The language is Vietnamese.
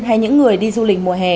hay những người đi du lịch mùa hè